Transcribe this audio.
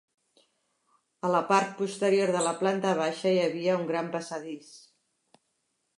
A la part posterior de la planta baixa hi havia un gran passadís.